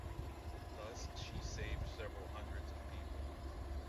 Thus she saved several hundreds of people.